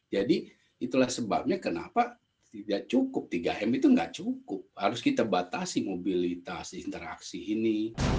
jadi itulah sebabnya kenapa tidak cukup tiga m itu nggak cukup harus kita batasi mobilitas interaksi ini